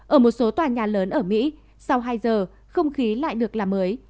ở một số tòa nhà lớn ở mỹ sau hai giờ không khí lại được làm mới